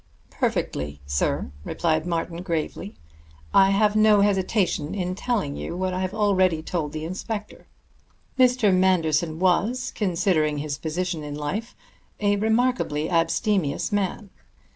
"Perfectly, sir," replied Martin gravely. "I have no hesitation in telling you what I have already told the inspector. Mr. Manderson was, considering his position in life, a remarkably abstemious man.